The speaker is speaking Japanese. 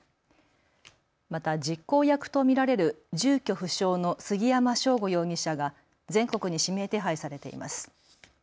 また実行役と見られる住居不詳の杉山翔吾容疑者が全国に指名手配されています。